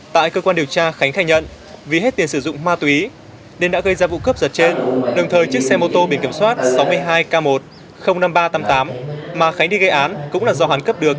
tại cơ quan điều tra khánh thành vì hết tiền sử dụng ma túy nên đã gây ra vụ cướp giật trên đồng thời chiếc xe mô tô biển kiểm soát sáu mươi hai k một năm nghìn ba trăm tám mươi tám mà khánh đi gây án cũng là do hoàn cấp được